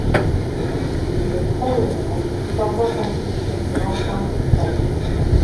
Le front de mer est encore constitué de l'enceinte du palais.